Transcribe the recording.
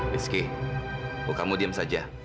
rizky kamu diam saja